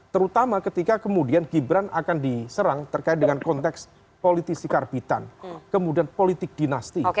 terutama ketika kemudian gibran akan diserang terkait dengan konteks politisi karbitan kemudian politik dinasti